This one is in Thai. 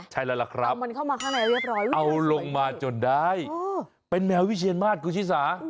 ใช่แล้วล่ะครับเอาลงมาจนได้เป็นแมววิเชียรมาศกุชิสา